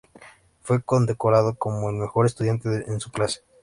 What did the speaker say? Fue condecorado como el mejor estudiante en su clase.